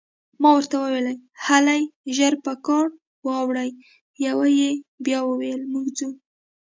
ما ورته وویل: هلئ، ژر په کار واوړئ، یوه یې بیا وویل: موږ ځو.